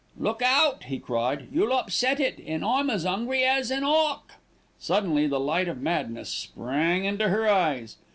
"Look out!" he cried, "you'll upset it, an' I'm as 'ungry as an 'awk." Suddenly the light of madness sprang into her eyes.